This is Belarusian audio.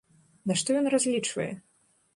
На што ён разлічвае?